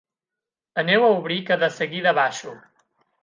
Aneu a obrir que de seguida baixo.